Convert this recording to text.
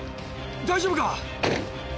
大丈夫か！？